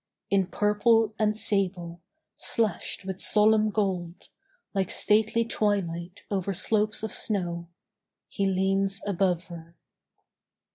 In purple and sable, slashed with solemn gold, Like stately twilight over slopes of snow, He leans above her.